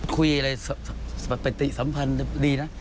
คุยอะไรสติสัมพันธ์ดีนะ